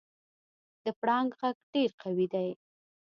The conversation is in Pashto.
د پړانګ غږ ډېر قوي دی.